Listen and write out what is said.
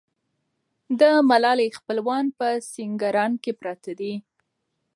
د ملالۍ خپلوان په سینګران کې پراته دي.